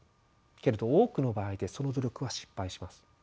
けれど多くの場合でその努力は失敗します。